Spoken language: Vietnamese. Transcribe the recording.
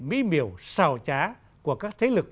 mỹ miều xào trá của các thế lực